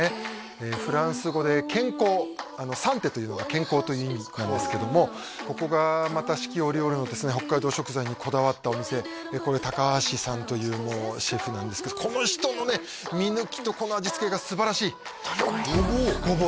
フランス語で健康サンテというのが健康という意味なんですけどもここがまた四季折々のですね北海道食材にこだわったお店でこれ橋さんというシェフなんですけどこの人のね見抜きとこの味付けがすばらしいゴボウ？